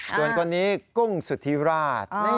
ส่วนคนนี้กุ้งสุธิราช